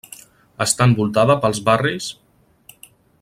Està envoltada pels barris: